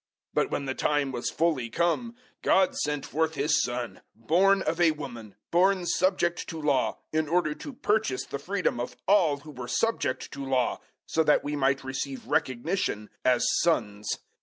004:004 But, when the time was fully come, God sent forth His Son, born of a woman, born subject to Law, 004:005 in order to purchase the freedom of all who were subject to Law, so that we might receive recognition as sons.